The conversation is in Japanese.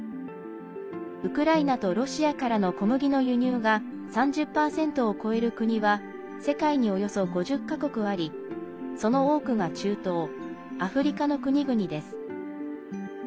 ウクライナとロシアからの小麦の輸入が３０％を超える国は世界に、およそ５０か国ありその多くが中東・アフリカの国々です。